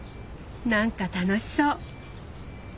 なんか楽しそう！